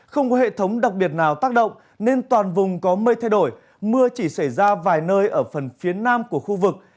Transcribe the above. không có hệ thống đặc biệt nào tác động nên toàn vùng có mây thay đổi mưa chỉ xảy ra vài nơi ở phần phía nam của khu vực